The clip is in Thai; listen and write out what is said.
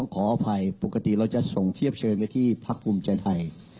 ขออภัยพุกรตีเราจะส่งเทียบเชิญรายได้ที่ภาคภูมิเจไทย